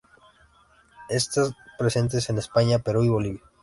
Están presentes en España, Perú y Bolivia.